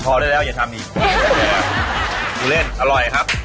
พอได้แล้วอย่าทำอีกเล่นอร่อยครับ